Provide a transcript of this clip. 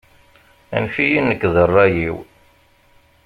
Anef-iyi nekk d rray-iw.